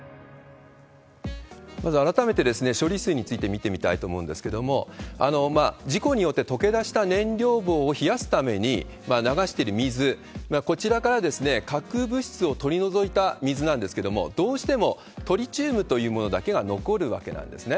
まず改めて処理水について見てみたいと思うんですけれども、事故によって溶けだした燃料棒を冷やすために流している水、こちらから核物質を取り除いた水なんですけども、どうしてもトリチウムというものだけは残るわけなんですね。